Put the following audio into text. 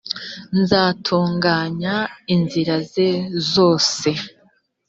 nzatunganya inzira ze zose